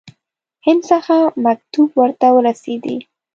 هند څخه مکتوب ورته ورسېدی.